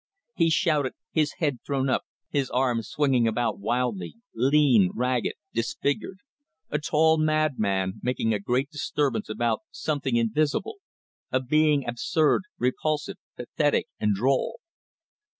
He shouted, his head thrown up, his arms swinging about wildly; lean, ragged, disfigured; a tall madman making a great disturbance about something invisible; a being absurd, repulsive, pathetic, and droll.